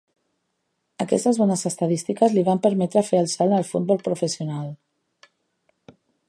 Aquestes bones estadístiques li van permetre fer el salt al futbol professional.